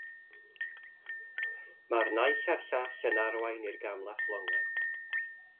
Mae'r naill a'r llall yn arwain i'r gamlas longau.